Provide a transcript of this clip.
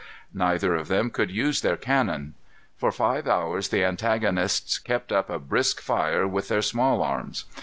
Neither of them could use their cannon. For five hours the antagonists kept up a brisk fire with their small arms.